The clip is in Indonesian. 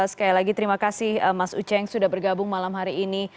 sekali lagi terima kasih mas uceng sudah bergabung malam hari ini